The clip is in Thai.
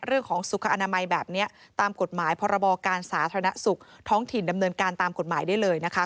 เรื่องของสุขอนามัยแบบนี้ตามกฎหมายพรบการสาธารณสุขท้องถิ่นดำเนินการตามกฎหมายได้เลยนะคะ